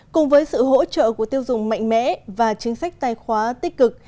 cùng với sự hỗ trợ của tiêu dùng mạnh mẽ và chính sách tài khoá tích cực